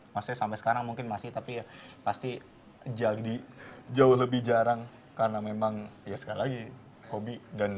maksudnya sampai sekarang mungkin masih tapi ya pasti jadi jauh lebih jarang karena memang ya sekali lagi hobi